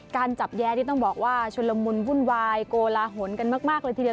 การจับแย้นี่ต้องบอกว่าชุนละมุนวุ่นวายโกลาหลกันมากเลยทีเดียว